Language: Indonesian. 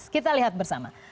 kita lihat bersama